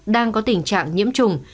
đang có tình trạng nhiễm trùng